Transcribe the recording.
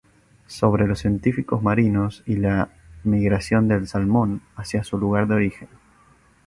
Sobre los científicos marinos y la migración del salmón hacia su lugar de origen.